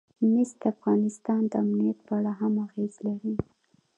مس د افغانستان د امنیت په اړه هم اغېز لري.